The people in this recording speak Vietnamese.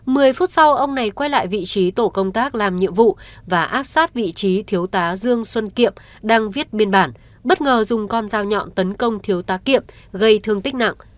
mười phút sau ông này quay lại vị trí tổ công tác làm nhiệm vụ và áp sát vị trí thiếu tá dương xuân kiệm đang viết biên bản bất ngờ dùng con dao nhọn tấn công thiếu tá kiệm gây thương tích nặng